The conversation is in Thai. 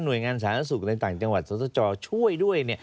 หน่วยงานสาธารณสุขในฝั่งต่างจังหวัดทรศจรณ์ช่วยด้วย